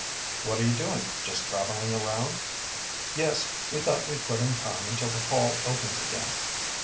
"What are you doing just traveling around?" "Yes; we thought we'd put in time until the Hall opens again."